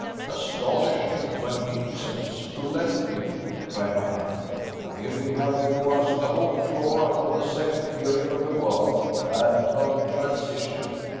"Astonishing, magnificent, splendid!" cried my uncle; "here we have before us the whole flora of the second period of the world, that of transition.